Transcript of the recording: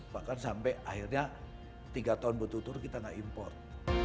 bahkan sampai akhirnya tiga tahun betul betul kita gak import